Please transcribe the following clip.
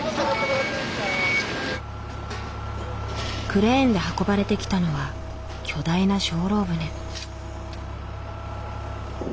クレーンで運ばれてきたのは巨大な精霊船。